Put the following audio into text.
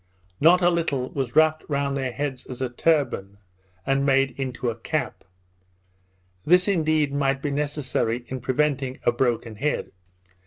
Not a little was wrapped round their heads as a turban, and made into a cap. This, indeed, might be necessary in preventing a broken head.